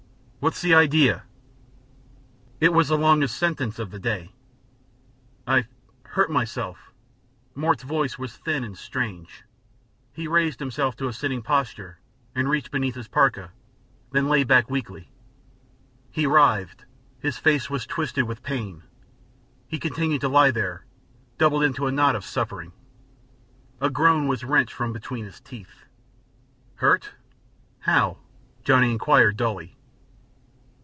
What's the idea?" It was the longest sentence of the day. "I've hurt myself." Mort's voice was thin and strange; he raised himself to a sitting posture, and reached beneath his parka, then lay back weakly. He writhed, his face was twisted with pain. He continued to lie there, doubled into a knot of suffering. A groan was wrenched from between his teeth. "Hurt? How?" Johnny inquired, dully.